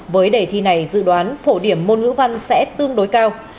với đề thi này dự đoán phổ điểm môn ngữ văn sẽ tương đối cao